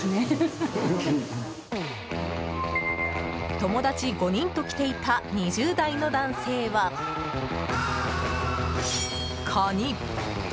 友達５人と来ていた２０代の男性はカニ！